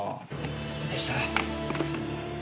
でしたら。